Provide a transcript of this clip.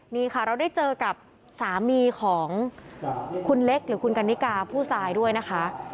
นี่ค่ะเราได้เจอกับสามีของคุณเล็กหรือคุณกันนิกาผู้ตายด้วยนะคะ